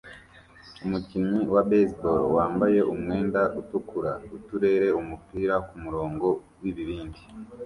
Umukinnyi wa baseball wambaye umwenda utukura utera umupira kumurongo wibibindi